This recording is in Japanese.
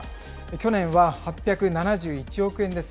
去年は８７１億円です。